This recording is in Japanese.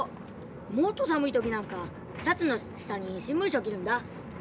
もっと寒い時なんかシャツの下に新聞紙を着るんだ。